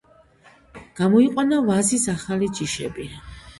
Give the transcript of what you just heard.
გამოიყვანა ვაზის ახალი ჯიშები.